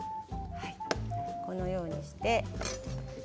このようにして。